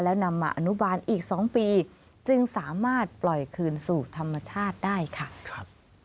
แล้วนำมาอนุบาลอีก๒ปีจึงสามารถปล่อยคืนสู่ธรรมชาติได้ค่ะครับ